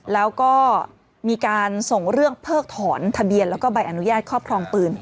แล้วก็มีการส่งเรื่องเพิกถอนทะเบียนแล้วก็ใบอนุญาตครอบครองปืน